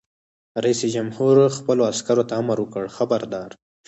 رئیس جمهور خپلو عسکرو ته امر وکړ؛ خبردار!